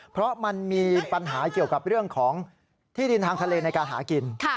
เพราะมันมีปัญหาเกี่ยวกับเรื่องของที่ดินทางทะเลในการหากิน